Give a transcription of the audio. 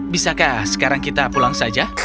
bisakah sekarang kita pulang saja